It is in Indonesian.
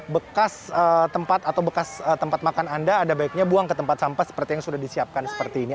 bekas tempat atau bekas tempat makan anda anda baiknya buang ke tempat sampah seperti yang sudah disiapkan seperti ini